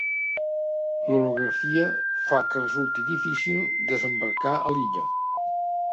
L'orografia fa que resulti difícil desembarcar a l'illa.